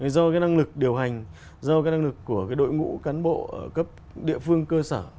do cái năng lực điều hành do cái năng lực của đội ngũ cán bộ ở cấp địa phương cơ sở